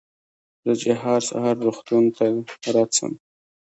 زه چې هر سهار روغتون ته رڅم.